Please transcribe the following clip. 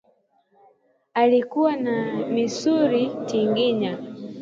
Alikuwa na misuli tinginya